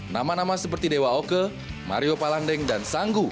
nama nama seperti dewa oke mario palandeng dan sanggu